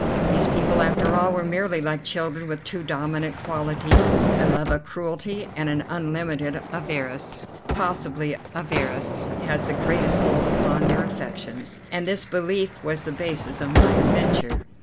These people, after all, were merely like children with two dominant qualities, a love of cruelty, and an unlimited avarice, possibly avarice has the greatest hold upon their affections, and this belief was the basis of my adventure.